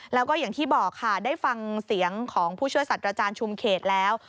แล้วก็อย่างที่บอกค่ะได้ฟังเสียงของผู้ช่วยสัตว์อาจารย์ชุมเขตแล้ว